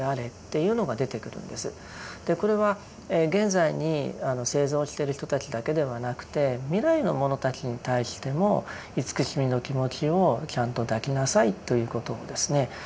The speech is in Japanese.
これは現在に生存してる人たちだけではなくて未来のものたちに対しても慈しみの気持ちをちゃんと抱きなさいということをですね